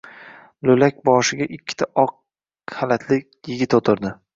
Io‘lak boshida ikkita oq xalatli yigit o‘tirdi.